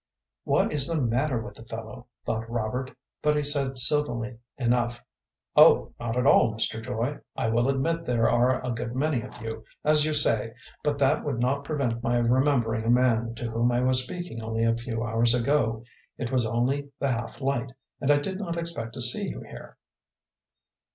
"What is the matter with the fellow?" thought Robert; but he said, civilly enough; "Oh, not at all, Mr. Joy. I will admit there are a good many of you, as you say, but that would not prevent my remembering a man to whom I was speaking only a few hours ago. It was only the half light, and I did not expect to see you here."